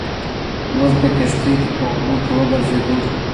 موږ په کښتۍ کې په اوبو کې وګرځېدو.